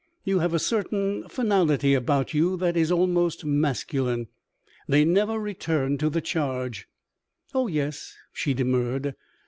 "You have a certain finality about you that is almost masculine. They never return to the charge " "Oh yes," she demurred.